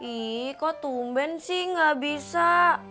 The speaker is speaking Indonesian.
ih kok tumben sih nggak bisa